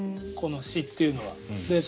この詩っていうのは。